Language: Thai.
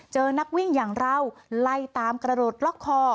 เจอนักวิ่งอย่างเล่าไล่ตามกระหลุดล็อกคอ